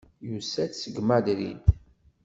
Yusa-d seg Madrid.